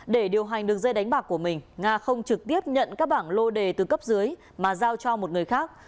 để điều hành đường dây đánh bạc của mình nga không trực tiếp nhận các bảng lô đề từ cấp dưới mà giao cho một người khác